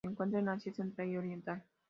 Se encuentra en Asia Central y Oriental.